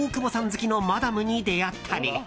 好きのマダムに出会ったり。